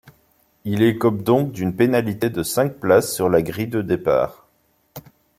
Il écope donc d'une pénalité de cinq places sur la grille de départ.